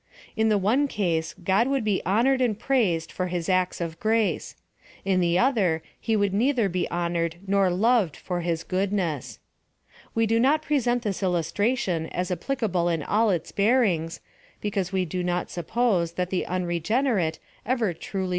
In the one case, God would be honored and praised for his acts ot srrace : in the other he would neither be honored nor loved for his goodness. We do not present this illustration as applicable in all its bearings, because we do not suppose that the un regenerate ever truly PLAN OF SAL VATION.